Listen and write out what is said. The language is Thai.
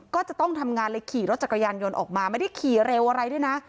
ก็จะต้องทำงานเลยขี่รถจักรยานยนต์ออกมาไม่ได้ขี่เร็วอะไรด้วยนะ